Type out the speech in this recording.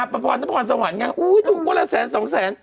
พรรณพรสวัสดีไหมอู้ยตลอดสันสองแสน